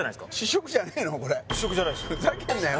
お前ふざけんなよ